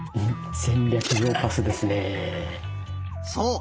そう！